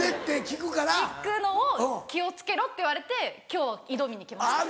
聞くのを気を付けろと言われて今日挑みに来ました。